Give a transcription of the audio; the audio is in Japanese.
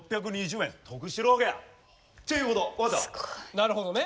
なるほどね。